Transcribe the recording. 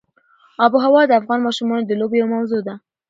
آب وهوا د افغان ماشومانو د لوبو یوه موضوع ده.